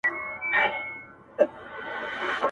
زه اوس وخت نه لرم